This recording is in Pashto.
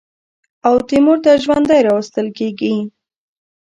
او تیمور ته ژوندی راوستل کېږي.